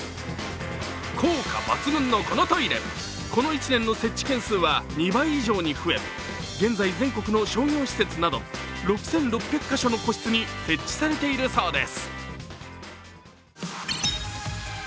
効果抜群のこのトイレ、この１年の設置件数は２倍以上に増え現在、全国の商業施設など６６００か所の個室に設置されているそうです。